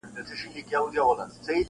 یوه ورځ به په سینه کي د مرګي واری پر وکړي-